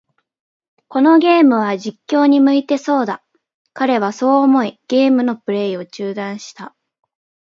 このゲームは、実況に向いてそうだ。彼はそう思い、ゲームのプレイを中断した。